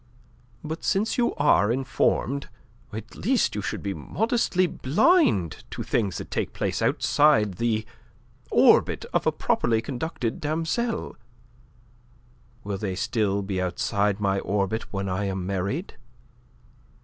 But since you are informed, at least you should be modestly blind to things that take place outside the... orbit of a properly conducted demoiselle." "Will they still be outside my orbit when I am married?"